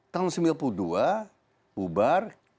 tahun seribu sembilan ratus sembilan puluh dua bubar